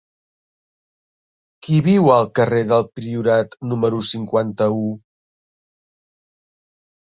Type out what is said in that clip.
Qui viu al carrer del Priorat número cinquanta-u?